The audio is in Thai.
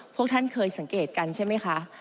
พวกท่านเคยสังเกตกันใช่ไหมคะ